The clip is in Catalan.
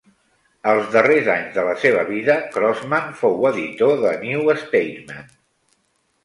Els darrers anys de la seva vida, Crossman fou editor de "New Statesman".